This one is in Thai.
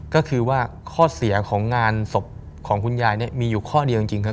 ก็คือว่าข้อเสียของงานศพของคุณยายเนี่ยมีอยู่ข้อเดียวจริงครับ